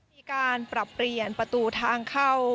มีการปรับเปลี่ยนประตูทางเข้า